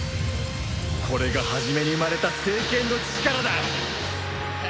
これが初めに生まれた聖剣の力だ！